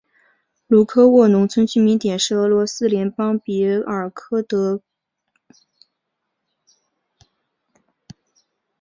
茹科沃农村居民点是俄罗斯联邦别尔哥罗德州阿列克谢耶夫卡区所属的一个农村居民点。